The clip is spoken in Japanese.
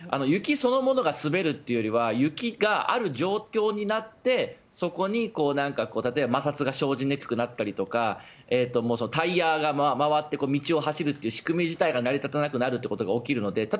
雪そのものが滑るというよりは雪がある状況になってそこに摩擦が生じにくくなったりとかタイヤが回って道を走るという仕組み自体が成り立たなくなるということが起きるので。